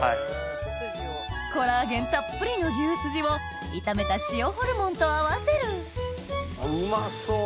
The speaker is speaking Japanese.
コラーゲンたっぷりの牛すじを炒めた塩ホルモンと合わせるうまそう！